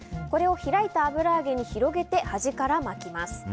これを開いた油揚げに広げて端から巻きます。